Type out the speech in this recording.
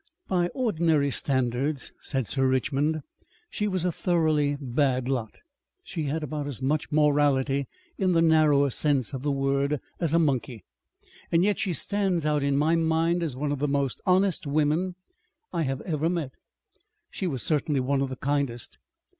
"By ordinary standards," said Sir Richmond, "she was a thoroughly bad lot. She had about as much morality, in the narrower sense of the word, as a monkey. And yet she stands out in my mind as one of the most honest women I have ever met. She was certainly one of the kindest.